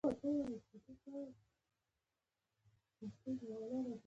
افغانستان کې نمک د نن او راتلونکي لپاره ارزښت لري.